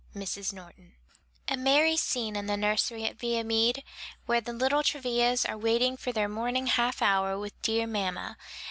MRS. NORTON. A merry scene in the nursery at Viamede, where the little Travillas are waiting for their morning half hour with "dear mamma."